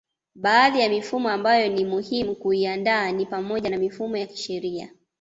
Baadhi ya mifumo ambayo ni muhimu kuiandaa ni pamoja na mifumo ya kisheria